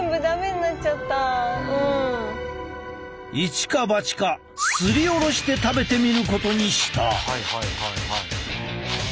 一か八かすりおろして食べてみることにした。